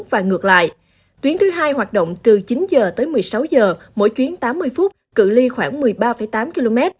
và ngược lại tuyến thứ hai hoạt động từ chín giờ tới một mươi sáu giờ mỗi chuyến tám mươi phút cự ly khoảng một mươi ba tám km